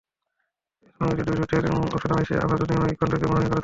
পরিকল্পিত ভঙ্গিতে দুই ঠোঁটের ওঠা-নামায় সে আভা দ্যুতিময় হয়ে কণ্ঠকে মোহনীয় করে তোলে।